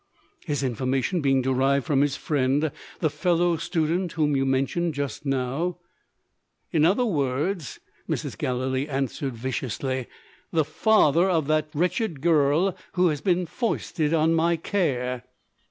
"His information being derived from his friend the fellow student whom you mentioned just now?" "In other words," Mrs. Gallilee answered viciously, "the father of the wretched girl who has been foisted on my care."